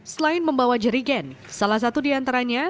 selain membawa jerigen salah satu diantaranya